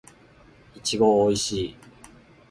いちごおいしい